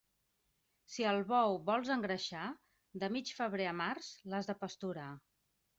Si el bou vols engreixar, de mig febrer a març l'has de pasturar.